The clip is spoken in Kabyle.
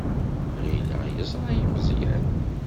Ɣileɣ yeẓra-iyi Meẓyan.